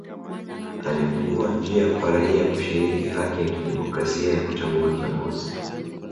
Alifungua njia kwa raia kushiriki haki ya kidemokrasia ya kuchagua kiongozi